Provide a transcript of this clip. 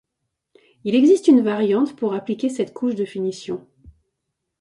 Il existe une variante pour appliquer cette couche de finition.